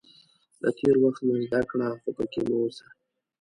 • له تېر وخت نه زده کړه، خو پکې مه اوسه.